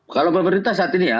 kalau pemerintah saat ini ya